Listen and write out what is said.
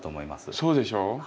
そうでしょ？